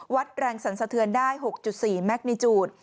วัดแรงสันสะเทือนได้๖๔แมกนิจูต